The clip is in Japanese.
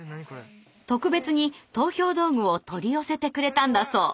特別に投票道具を取り寄せてくれたんだそう。